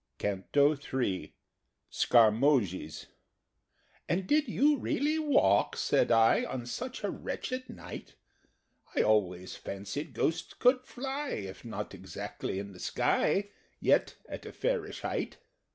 CANTO III. Scarmoges. "And did you really walk," said I, "On such a wretched night? I always fancied Ghosts could fly If not exactly in the sky, Yet at a fairish height."